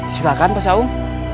silahkan mas aum